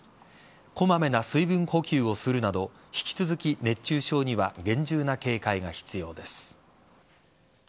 こまめな水分補給をするなど引き続き、熱中症には厳重な警戒が必要です。